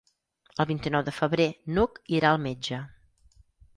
El vint-i-nou de febrer n'Hug irà al metge.